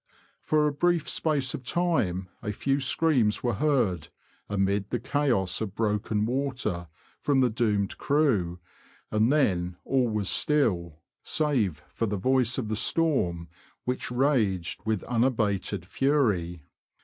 For a brief space of time, a few screams were heard, amid the chaos of broken water, from the doomed crew, and then all was still, save for the voice of the storm, which raged with unabated fury.